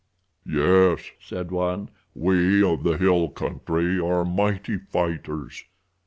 "Yes," said one, "we of the hill country are mighty fighters.